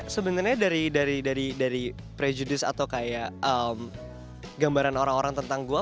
sebenarnya dari prejudice atau kayak gambaran orang orang tentang gue